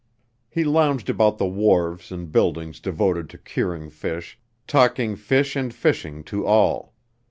He lounged about the wharves and buildings devoted to curing fish, talking fish and fishing to all.